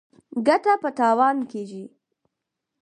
ـ ګټه په تاوان کېږي.